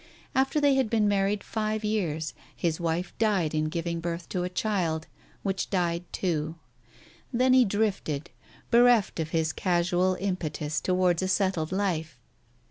After they had been married five years his wife died in giving birth to a child, which died too. Then he drifted, bereft of his casual impetus towards a settled life.